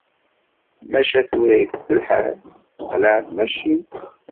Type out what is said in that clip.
Maca tura ifut lḥal. Teqleɛ tmacint.